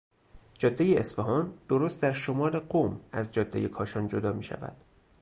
جادهی اصفهان درست در شمال قم از جادهی کاشان جدا میشود.